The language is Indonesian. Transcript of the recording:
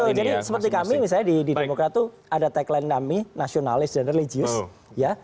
betul jadi seperti kami misalnya di demokratu ada tagline nami nasionalis dan religius ya